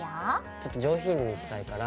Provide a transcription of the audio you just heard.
ちょっと上品にしたいから。